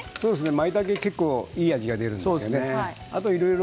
まいたけ、いいお味が出るんですよね。